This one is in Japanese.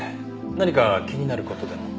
何か気になる事でも？